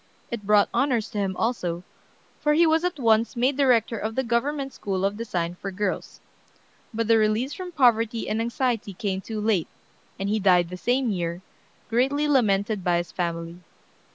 It brought honors to him also, for he was at once made director of the government school of design for girls. But the release from poverty and anxiety came too late, and he died the same year, greatly lamented by his family.